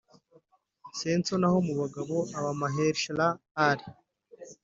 Henson naho mu bagabo aba Mahershala Ali